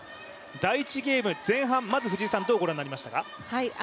第１ゲーム、前半まずどうご覧になりましたか？